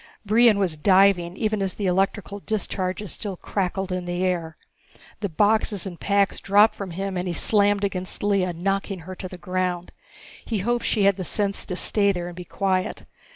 Brion was diving even as the electrical discharges still crackled in the air. The boxes and packs dropped from him and he slammed against Lea, knocking her to the ground. He hoped she had the sense to stay there and be quiet.